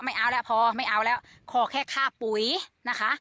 ไม่เอาแล้วพอไม่เอาแล้วขอแค่ค่าปุ๋ยนะคะ